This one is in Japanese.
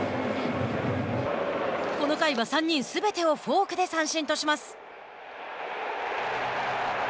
この回は、３人すべてをフォークで三振とします。